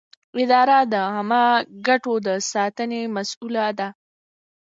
اداره د عامه ګټو د ساتنې مسووله ده.